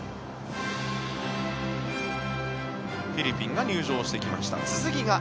フィリピンが入場してきました。